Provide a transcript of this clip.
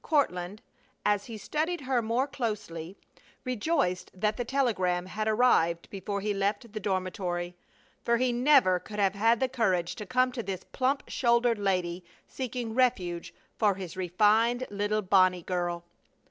Courtland, as he studied her more closely, rejoiced that the telegram had arrived before he left the dormitory, for he never could have had the courage to come to this plump shouldered lady seeking refuge for his refined little Bonnie girl.